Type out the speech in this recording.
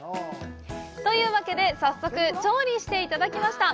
というわけで早速調理していただきました。